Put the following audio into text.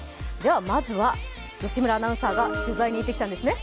まずは吉村アナウンサーが取材に行ったんですね？